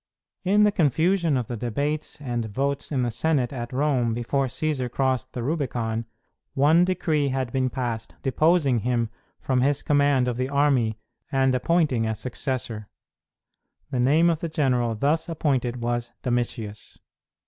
In the confusion of the debates and votes in the Senate at Rome before Cćsar crossed the Rubicon, one decree had been passed deposing him from his command of the army and appointing a successor. The name of the general thus appointed was Domitius.